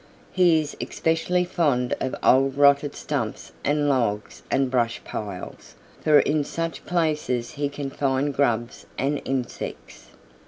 He is especially fond of old rotted stumps and logs and brush piles, for in such places he can find grubs and insects.